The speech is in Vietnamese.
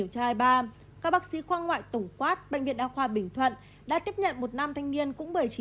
các bác sĩ khoa ngoại tổng quát bệnh viện đa khoa bình thuận đã tiếp nhận một nam thanh niên cũng một mươi chín tuổi